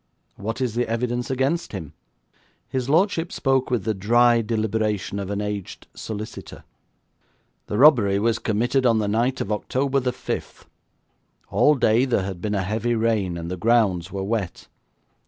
'What is the evidence against him?' His lordship spoke with the dry deliberation of an aged solicitor. 'The robbery was committed on the night of October the fifth. All day there had been a heavy rain, and the grounds were wet.